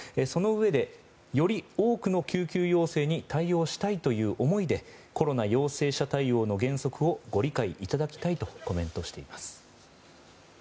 そのうえで、より多くの救急要請に対応したいという思いでコロナ陽性者対応の原則をご理解いただきたいとコメントしています。